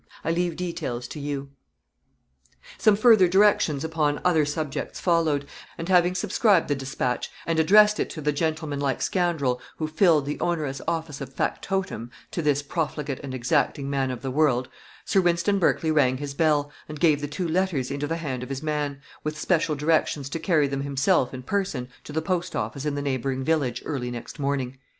I leave details to you...." Some further directions upon other subjects followed; and having subscribed the dispatch, and addressed it to the gentlemanlike scoundrel who filled the onerous office of factotum to this profligate and exacting man of the world, Sir Wynston Berkley rang his bell, and gave the two letters into the hand of his man, with special directions to carry them himself in person, to the post office in the neighboring village, early next morning.